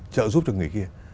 trợ giúp được người kia